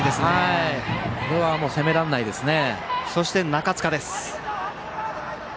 これは責められないですね。